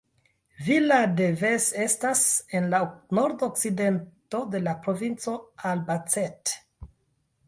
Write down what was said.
Villa de Ves estas en la nordokcidento de la provinco Albacete.